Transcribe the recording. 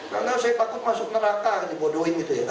karena saya takut masuk neraka dibodohin gitu ya